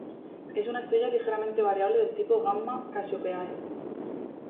Es una estrella ligeramente variable del tipo Gamma Cassiopeiae.